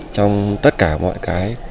trong tất cả mọi cái